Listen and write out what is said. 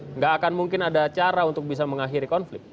tidak akan mungkin ada cara untuk bisa mengakhiri konflik